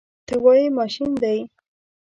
ته وایې ماشین دی.